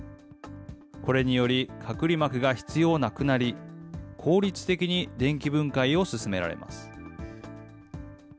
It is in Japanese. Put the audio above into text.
これにより、隔離膜が必要なくなり、効率的に電気分解を進められます。